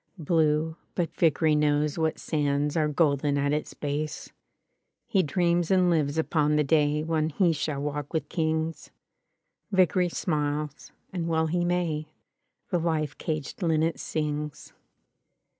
Blue, but Vickeiy knows what sands Are golden at its base. He dreams and lives upon the daj When he shall walk with kings. Vickery smiles — ^and well he may: The life caged linnet sings.